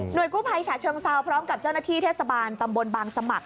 โดยกู้ภัยฉะเชิงเซาพร้อมกับเจ้าหน้าที่เทศบาลตำบลบางสมัคร